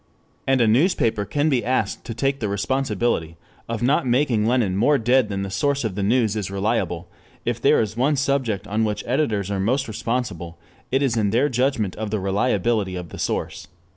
And a newspaper can be asked to take the responsibility of not making Lenin more dead than the source of the news is reliable; if there is one subject on which editors are most responsible it is in their judgment of the reliability of the source.